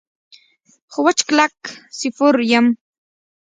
خو وچ کلک سیفور یم.